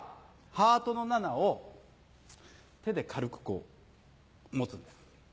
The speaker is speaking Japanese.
ハートの７を手で軽くこう持つんです。